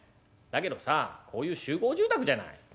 だけどさこういう集合住宅じゃない。